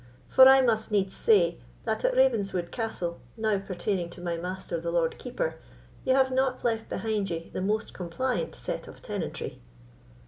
for I must needs say, that at Ravenswood Castle, now pertaining to my master the Lord Keeper, ye have not left behind ye the most compliant set of tenantry."